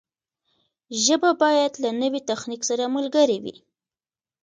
ژبه باید له نوي تخنیک سره ملګرې وي.